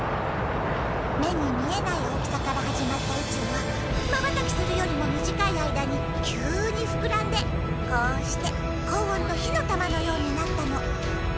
目に見えない大きさから始まった宇宙はまばたきするよりも短い間に急にふくらんでこうして高温の火の玉のようになったの。